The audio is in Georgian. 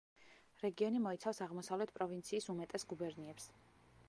რეგიონი მოიცავს აღმოსავლეთ პროვინციის უმეტეს გუბერნიებს.